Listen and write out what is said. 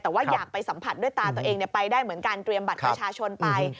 แต่ว่าอยากไปสัมผัสด้วยตาตัวเองไปได้เหมือนกันเตรียมบัตรประชาชนไป